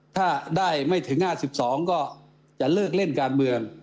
ถ้าได้ไม่ถึง๕๒ก็จะเลิกเล่นการเมือง